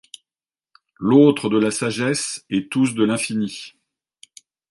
L'autre de la sagesse, et tous de l'infini.